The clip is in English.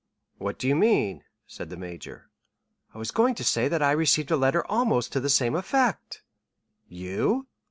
"What do you mean?" said the major. "I was going to say that I received a letter almost to the same effect." "You?"